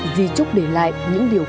di trúc để lại những điều